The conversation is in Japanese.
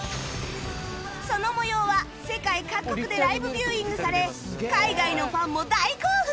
その模様は世界各国でライブビューイングされ海外のファンも大興奮！